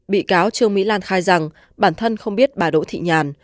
bị cáo trương mỹ lan khai rằng bản thân không biết bà đỗ thị nhàn